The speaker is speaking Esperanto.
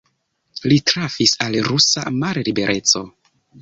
Li trafis al rusa mallibereco.